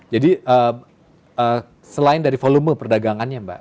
jadi selain dari volume perdagangannya mbak